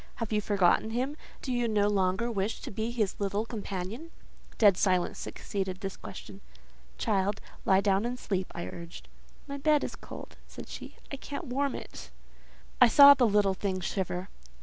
Have you forgotten him? Do you no longer wish to be his little companion?" Dead silence succeeded this question. "Child, lie down and sleep," I urged. "My bed is cold," said she. "I can't warm it." I saw the little thing shiver.